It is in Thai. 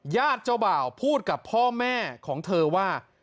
ญาติเจ้าบ่าวพูดกับพ่อแม่ของเธอว่า